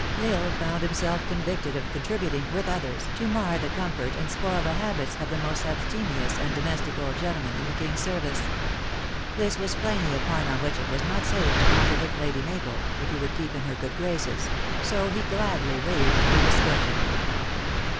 L Isle found himself convicted of contributing, with others, to mar the comfort and spoil the habits of the most abstemious and domestic old gentleman in the king s service. This was plainly a point on which it was not safe to contradict Lady 266 THE ACTRESS IN HIGH LIFE. Mabel, if lie would keep in her good graces so he gladly waved the discussion.